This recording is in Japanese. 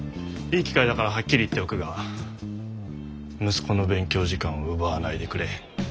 いい機会だからはっきり言っておくが息子の勉強時間を奪わないでくれ。